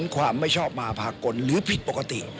ความไม่ชอบมาภากลหรือผิดปกติ